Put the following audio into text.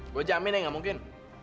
gue jamin ya nggak mungkin